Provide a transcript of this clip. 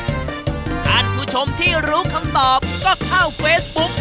ท่านผู้ชมที่รู้คำตอบก็เข้าเฟซบุ๊ก